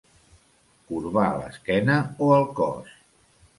Corbar l'esquena o el cos.